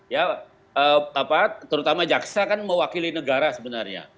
ya terutama jaksa kan mewakili negara sebenarnya